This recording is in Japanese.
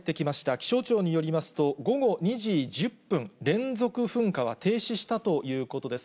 気象庁によりますと、午後２時１０分、連続噴火は停止したということです。